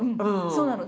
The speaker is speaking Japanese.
そうなの。